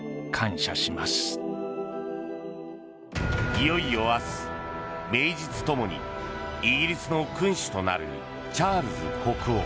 いよいよ明日、名実共にイギリスの君主となるチャールズ国王。